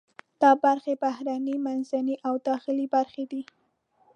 دا برخې بهرنۍ، منځنۍ او داخلي برخې دي.